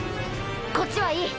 こっちはいい！